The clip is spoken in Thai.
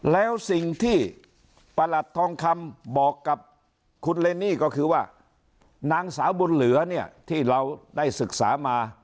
แล้วสิ่งที่ประหลัดทองคำบอกกับคุณเรนนี่ก็คือว่านางสาวบุญเหลือเนี่ยที่เราได้ศึกษามา